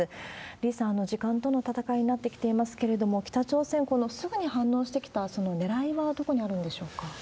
李さん、時間との戦いになってきていますけれども、北朝鮮、このすぐに反応してきた、そのねらいはどこにあるんでしょうか？